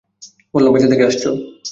বললাম, বাজার থেকে আসছো?